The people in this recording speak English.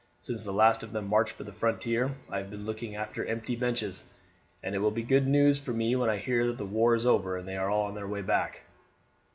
Since the last of them marched for the frontier I have been looking after empty benches, and it will be good news for me when I hear that the war is over and they are on their way back."